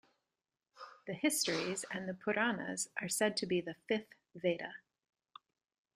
The histories and the Puranas are said to be the fifth Veda.